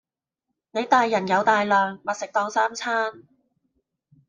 你大人有大量，密食當三餐